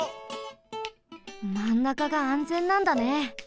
まんなかがあんぜんなんだね！